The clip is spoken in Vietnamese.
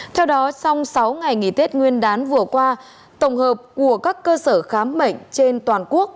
theo đó sau sáu ngày nghỉ tết nguyên đán vừa qua tổng hợp của các cơ sở khám bệnh trên toàn quốc